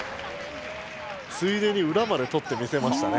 ついでにうらまでとってみせましたね。